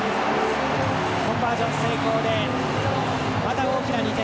コンバージョン成功で大きな２点。